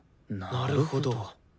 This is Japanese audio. なるほど。